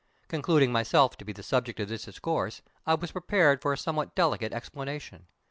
Concluding myself to be the subject of this discourse, I was prepared for a somewhat delicate explanation.